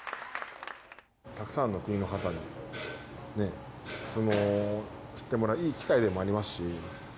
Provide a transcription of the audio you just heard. たくさんの国の方に、相撲を知ってもらえるいい機会でもありますし。